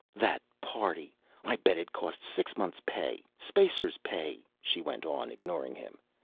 "That party I bet it cost six months' pay, spacer's pay," she went on, ignoring him.